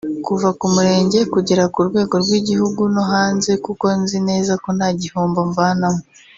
kuva ku murenge kugera ku rwego rw’igihugu no hanze kuko nzi neza ko nta gihombo mvanamo